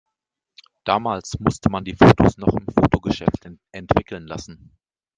Damals musste man die Fotos noch im Fotogeschäft entwickeln lassen.